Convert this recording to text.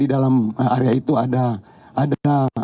di dalam area itu ada